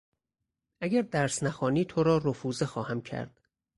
اگر درس نخوانی تو را رفوزه خواهم کرد!